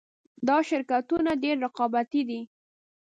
دا شرکتونه ډېر رقابتي دي